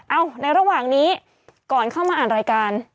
ในระหว่างนี้ก่อนเข้ามาอ่านรายการ